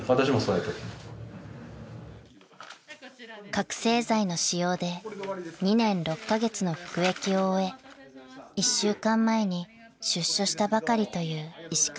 ［覚醒剤の使用で２年６カ月の服役を終え１週間前に出所したばかりという石川さん］